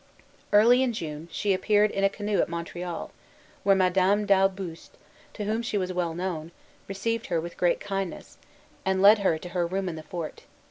Early in June, she appeared in a canoe at Montreal, where Madame d'Ailleboust, to whom she was well known, received her with great kindness, and led her to her room in the fort.